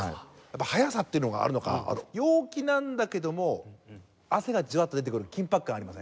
やっぱ速さっていうのがあるのか陽気なんだけども汗がじわっと出てくる緊迫感ありません？